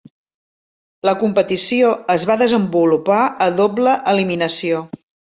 La competició es va desenvolupar a doble eliminació.